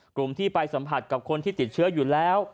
กลุ่มที่ไปสัมผัสกับคนที่ติดเชื้ออยู่แล้ว